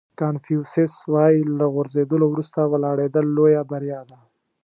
کانفیوسیس وایي له غورځېدلو وروسته ولاړېدل لویه بریا ده.